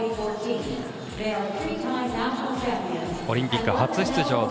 オリンピック初出場